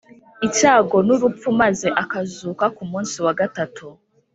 icyago n’urupfu maze akazuka ku munsi wa gatatu